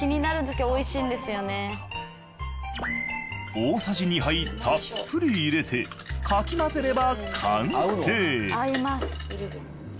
大さじ２杯たっぷり入れてかき混ぜれば完成